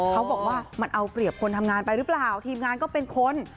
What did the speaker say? เขาบอกว่ามันเอาเปรียบคนทำงานไปหรือเปล่าทีมงานก็เป็นคน